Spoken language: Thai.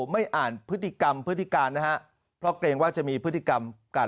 ไม่อ่านพฤติกรรมพฤติการนะฮะเพราะเกรงว่าจะมีพฤติกรรมการ